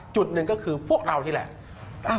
จุดหนึ่งก็คือพวกเรานี่แหละ